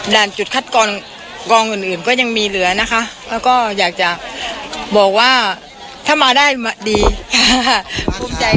จุดคัดกรองกองอื่นอื่นก็ยังมีเหลือนะคะแล้วก็อยากจะบอกว่าถ้ามาได้ดีภูมิใจ